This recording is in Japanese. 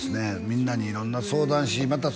みんなに色んな相談しまた